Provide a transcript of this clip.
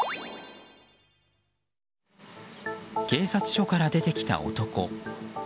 警察署から出てきた男。